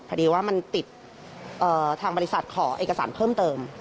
พอดีว่ามันติดทางบริษัทขอเอกสารเพิ่มเติม